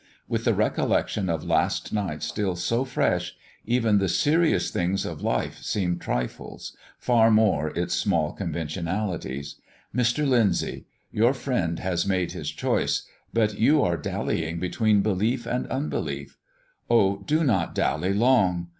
With the recollection of last night still so fresh, even the serious things of life seem trifles, far more its small conventionalities. Mr. Lyndsay, your friend has made his choice, but you are dallying between belief and unbelief. Oh, do not dally long!